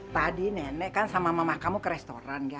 tadi nenek kan sama mama kamu ke restoran